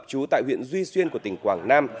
chú tại huyện duy xuyên của tỉnh quảng nam